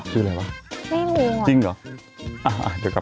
คืออะไรวะ